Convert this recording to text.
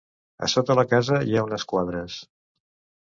A sota la casa hi ha unes quadres.